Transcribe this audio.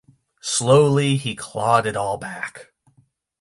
Slowly, he clawed it all back.